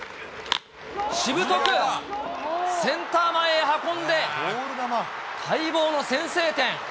しぶとく、センター前へ運んで、待望の先制点。